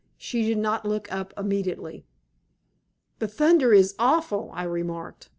She did not look up immediately. "The thunder is awful!" I remarked.